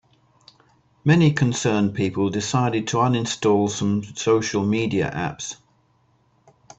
Many concerned people decided to uninstall some social media apps.